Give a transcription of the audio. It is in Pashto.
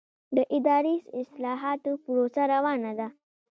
د اداري اصلاحاتو پروسه روانه ده؟